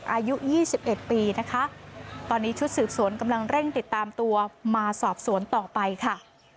อายุ๒๑ปีนะคะตอนนี้ชุดสืบสวนกำลังเร่งติดตามตัวมาสอบสวนต่อไปค่ะ